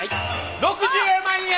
６０万円！